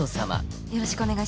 よろしくお願いします。